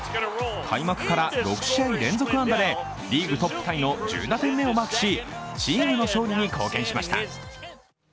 開幕かられあ６試合連続安打でリーグトップタイの１０打点目をマークし、チームの勝利に貢献しました。